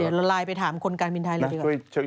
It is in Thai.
เดี๋ยวเราไลน์ไปถามคนการบินไทยเลยดีกว่า